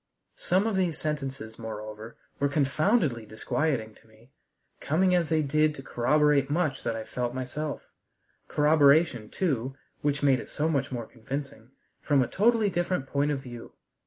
Some of these sentences, moreover, were confoundedly disquieting to me, coming as they did to corroborate much that I felt myself: corroboration, too which made it so much more convincing from a totally different point of view.